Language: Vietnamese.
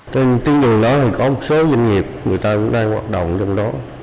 trên tuyến đường đó thì có một số doanh nghiệp người ta cũng đang hoạt động trong đó